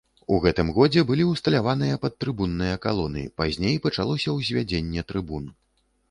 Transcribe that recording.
У гэтым годзе былі ўсталяваныя падтрыбунныя калоны, пазней пачалося ўзвядзенне трыбун.